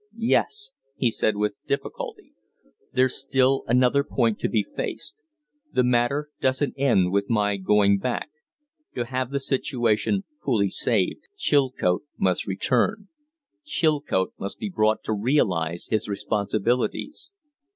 "Yes," he said, with difficulty. "There's still another point to be faced. The matter doesn't end with my going back. To have the situation fully saved, Chilcote must return Chilcote must be brought to realize his responsibilities."